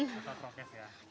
bisa prokes ya